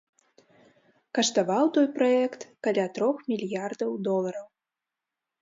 Каштаваў той праект каля трох мільярдаў долараў.